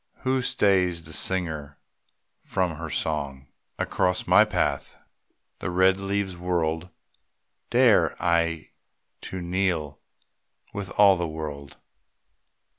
Who stays the singer from her song? Across my path the red leaves whirled. Dared I to kneel with all the world?